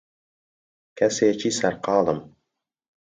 کەسێکی سەرقاڵم.